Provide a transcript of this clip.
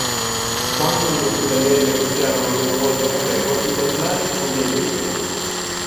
Quando gli Ospitalieri negoziarono a loro volta una tregua, i Templari non vi aderirono.